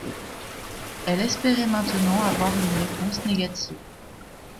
elle espérait maintenant avoir une réponse négative.